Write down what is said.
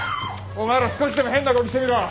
お前ら少しでも変な動きしてみろ。